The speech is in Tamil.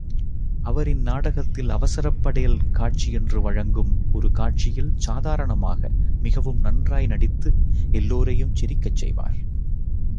அவர் இந்நாடகத்தில் அவசரப்படேல் காட்சியென்று வழங்கும் ஒரு காட்சியில் சாதாரணமாக மிகவும் நன்றாய் நடித்து எல்லோரையும் சிரிக்கச் செய்வார்.